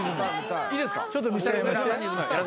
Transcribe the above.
いいですか？